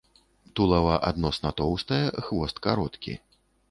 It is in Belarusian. Тулава адносна тоўстае, хвост кароткі.